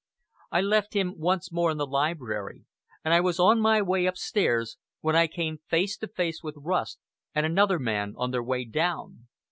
I left him once more in the library, and I was on my way upstairs, when I came face to face with Rust and another man on their way down.